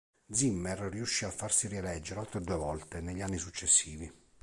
Zimmer riuscì a farsi rieleggere altre due volte negli anni successivi.